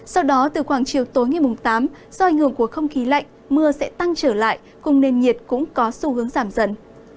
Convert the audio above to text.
sau đó từ khoảng chiều tối ngày tám do ảnh hưởng của không khí lạnh mưa sẽ tăng trở lại cùng nền nhiệt cũng có xu hướng giảm dần